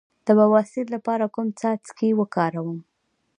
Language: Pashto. د بواسیر لپاره کوم څاڅکي وکاروم؟